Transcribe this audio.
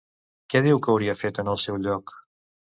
Què diu que hauria fet en el seu lloc?